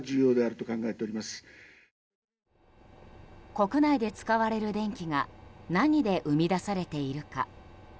国内で使われる電気が何で生み出されているか。